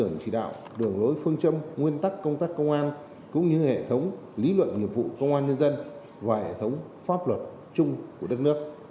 điểm tư tưởng chỉ đạo đường lối phương châm nguyên tắc công tác công an cũng như hệ thống lý luận nhiệm vụ công an nhân dân và hệ thống pháp luật chung của đất nước